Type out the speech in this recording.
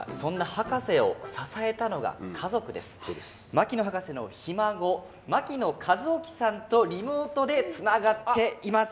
牧野博士のひ孫牧野一さんとリモートでつながっています。